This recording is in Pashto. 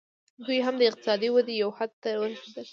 دوی هم د اقتصادي ودې یو حد ته ورسېدل